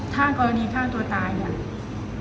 ถ้ากรณีฆ่าตัวตายเนี่ย